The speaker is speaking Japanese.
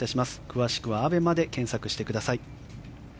詳しくはＡＢＥＭＡで検索してください。